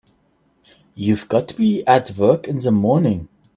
You've got to be at work in the morning.